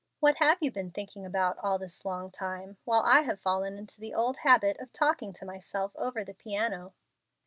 What have you been thinking about all this long time while I have fallen into the old habit of talking to myself over the piano?"